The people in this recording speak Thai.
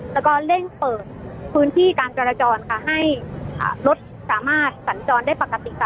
แล้วก็เร่งเปิดพื้นที่การจราจรค่ะให้รถสามารถสัญจรได้ปกติค่ะ